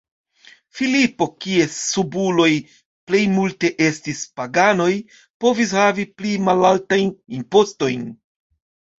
Filipo, kies subuloj plejmulte estis paganoj, povis havi pli malaltajn impostojn.